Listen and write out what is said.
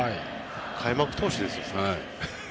開幕投手ですよ。